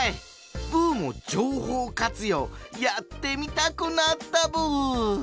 ブーも情報活用やってみたくなったブー！